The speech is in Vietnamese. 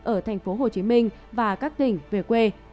ở tp hcm và các tỉnh về quê